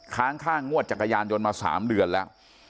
ค้างค่างวดจักรยานยนต์มา๓เดือนแล้ว